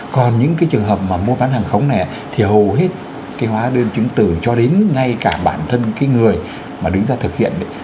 còn những cái trường hợp mà mua bán hàng khống này thì hầu hết cái hóa đơn chứng từ cho đến ngay cả bản thân cái người mà đứng ra thực hiện